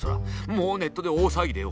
もうネットで大騒ぎでよ。